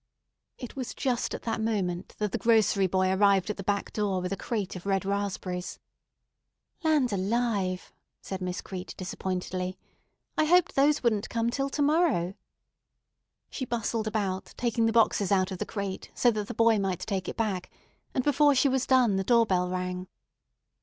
It was just at that moment that the grocery boy arrived at the back door with a crate of red raspberries. "Land alive!" said Miss Crete disappointedly. "I hoped those wouldn't come till to morrow." She bustled about, taking the boxes out of the crate so that the boy might take it back; and before she was done the door bell rang.